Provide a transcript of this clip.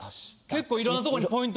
結構いろんなとこにポイント